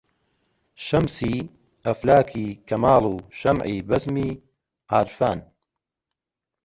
شەمسی ئەفلاکی کەماڵ و شەمعی بەزمی عارفان